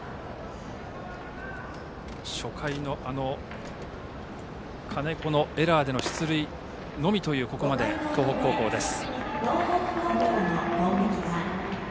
初回の金子のエラーでの出塁のみというここまでの東北高校です。